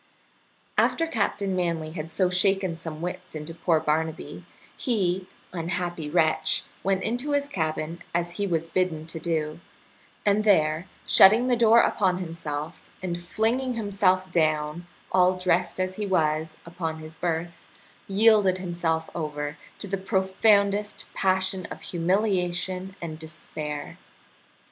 After Captain Manly had so shaken some wits into poor Barnaby he, unhappy wretch, went to his cabin, as he was bidden to do, and there, shutting the door upon himself, and flinging himself down, all dressed as he was, upon his berth, yielded himself over to the profoundest passion of humiliation and despair.